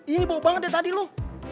ini bau banget dari tadi lo